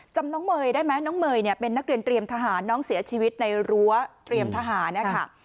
น้องเมย์ได้ไหมน้องเมย์เนี่ยเป็นนักเรียนเตรียมทหารน้องเสียชีวิตในรั้วเตรียมทหารนะคะ